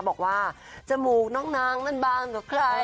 บอกว่าจมูกน้องนางนั้นบางกว่าใคร